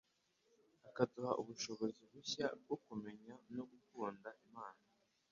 akaduha ubushobozi bushya bwo kumenya no gukunda Imana